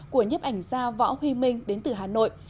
của nhiếp ảnh gia võ huy minh đến từ hà nội